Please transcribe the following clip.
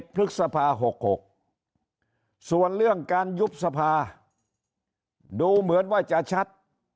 พฤษภา๖๖ส่วนเรื่องการยุบสภาดูเหมือนว่าจะชัด